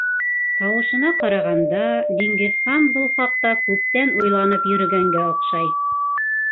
Тауышына ҡарағанда, Диңгеҙхан был хаҡта күптән уйланып йөрөгәнгә оҡшай.